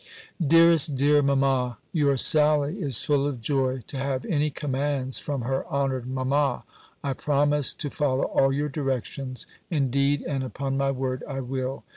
"DEAREST DEAR MAMMA, "Your Sally is full of joy, to have any commands from her honoured mamma. I promise to follow all your directions. Indeed, and upon my word, I will.